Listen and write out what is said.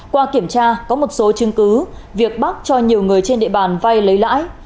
qua kiểm tra có một số chứng cứ việc bác cho nhiều người trên địa bàn vai lấy lãi